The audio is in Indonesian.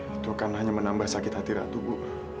itu kan hanya menambah sakit hati ratu bu